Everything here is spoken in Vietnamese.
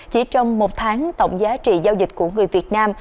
chỉ trong một tháng tổng giá trị giao dịch của người việt nam